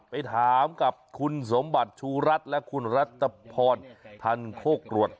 ไปถามกับคุณสมบัติชูรัฐและคุณรัฐพรทันโคกรวด